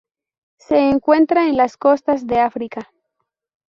Se encuentra en las costas de África.